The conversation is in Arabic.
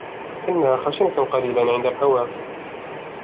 إنها خَشِنة قليلاً عند الحواف.